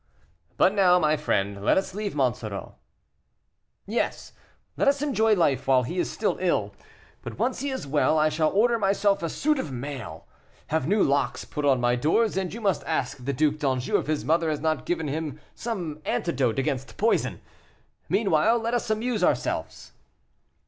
"But, now, my friend, let us leave Monsoreau." "Yes, let us enjoy life while he is still ill; but once he is well, I shall order myself a suit of mail, have new locks put on my doors, and you must ask the Duc d'Anjou if his mother has not given him some antidote against poison. Meanwhile, let us amuse ourselves."